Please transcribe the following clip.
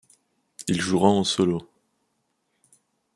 Il jouera en solo.